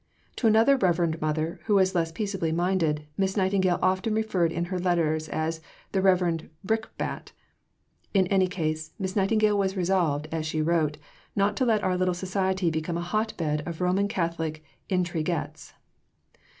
To another Reverend Mother, who was less peaceably minded, Miss Nightingale often referred in her letters as "the Reverend Brickbat." In any case, Miss Nightingale was resolved, as she wrote, "not to let our little Society become a hot bed of Roman Catholic Intriguettes."